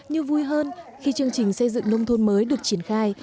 như vui hơn khi chương trình xây dựng nông thôn mới được triển khai